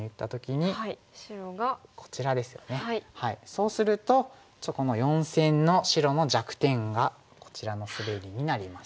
そうするとちょっとこの四線の白の弱点がこちらのスベリになります。